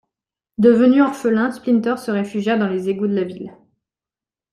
Devenu orphelin, Splinter se réfugia dans les égouts de la ville.